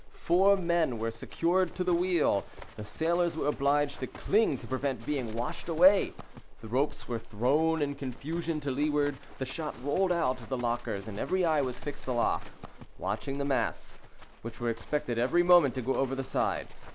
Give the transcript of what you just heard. Four men were secured to the wheel—the sailors were obliged to cling to prevent being washed away—the ropes were thrown in confusion to leeward—the shot rolled out of the lockers, and every eye was fixed aloft, watching the masts, which were expected every moment to go over the side.